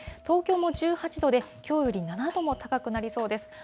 東京も１８度で、きょうより７度も高くなりそうです。